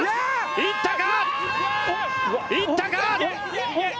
いったか？